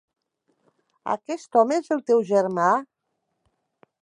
Aquest home és el teu germà?